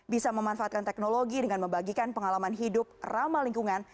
bisa memanfaatkan teknologi dengan membagikan pengalaman hidup ramah lingkungan